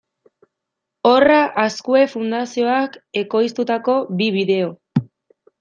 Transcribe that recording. Horra Azkue Fundazioak ekoiztutako bi bideo.